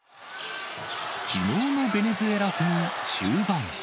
きのうのベネズエラ戦終盤。